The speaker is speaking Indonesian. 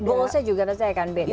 balls nya juga pasti akan beda ya